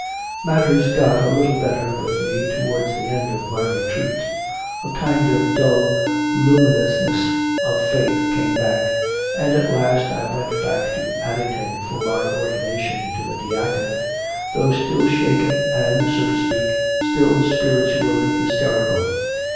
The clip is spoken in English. Matters got a little better with me towards the end of my retreat; a kind of dull luminousness of faith came back, and at last I went back to Adding ton for my ordination to the diaconate, though still shaken and, so to speak, still spiritually hysterical.